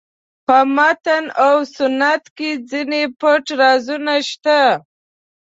په متن او سنت کې ځینې پټ رازونه شته.